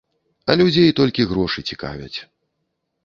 А людзей толькі грошы цікавяць.